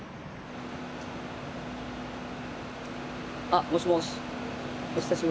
あっもしもし？